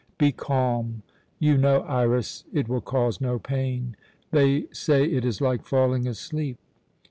Be calm. You know, Iras, it will cause no pain. They say it is like falling asleep."